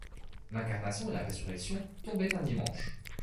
L’incarnation et la résurrection tombaient un dimanche.